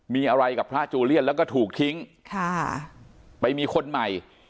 มีอะไรกับพระจูเลียนแล้วก็ถูกทิ้งค่ะไปมีคนใหม่